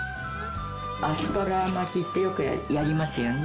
アスパラ巻きってよくやりますよね。